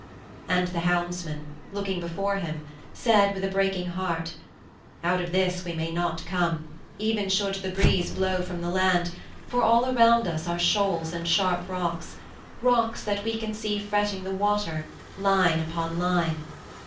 And the helmsman, looking before him, said with a breaking heart: "Out of this we may not come, even should the breeze blow from the land, for all around us are shoals and sharp rocks rocks that we can see fretting the water, line upon line.